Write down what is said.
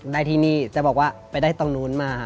ได้ที่นี่จะบอกว่าไปได้ตรงนู้นมา